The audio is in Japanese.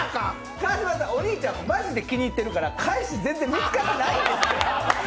川島さん、お兄ちゃんマジで気に入ってるから返し見つかってないんです。